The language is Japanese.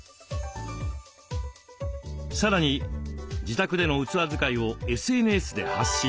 さらに自宅での器使いをＳＮＳで発信。